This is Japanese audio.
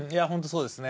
そうですね。